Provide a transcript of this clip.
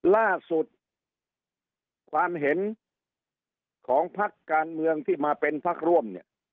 ล่าสุดความเห็นของพักการเมืองที่มาเป็นพักร่วมเนี่ย